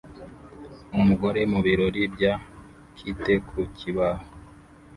Umugore mu birori bya kite ku kibaho